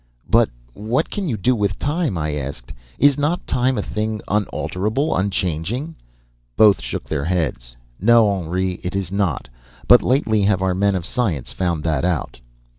'But what can you do with time?' I asked. 'Is not time a thing unalterable, unchanging?' "Both shook their heads. 'No, Henri, it is not. But lately have our men of science found that out.'